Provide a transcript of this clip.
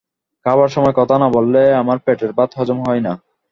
খাবার সময় কথা না বললে আমার পেটের ভাত হজম হয় না।